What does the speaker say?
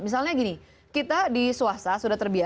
misalnya gini kita di swasta sudah terbiasa